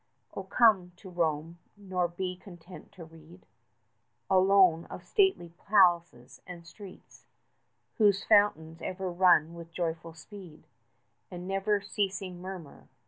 Oh, come to Rome, nor be content to read 25 Alone of stately palaces and streets Whose fountains ever run with joyful speed, And never ceasing murmur.